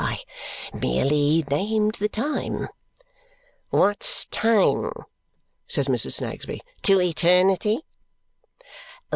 I merely named the time." "What's time," says Mrs. Snagsby, "to eternity?"